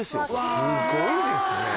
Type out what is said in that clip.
すごいですね。